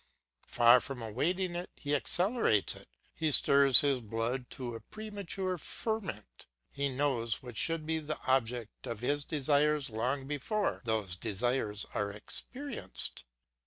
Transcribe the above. Far from awaiting it, he accelerates it; he stirs his blood to a premature ferment; he knows what should be the object of his desires long before those desires are experienced.